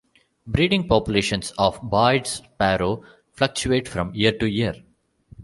Breeding populations of Baird's sparrow fluctuate from year to year.